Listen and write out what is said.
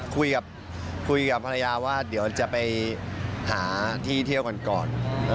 คุยกับภรรยาว่าเดี๋ยวจะไปหาที่เที่ยวกันก่อน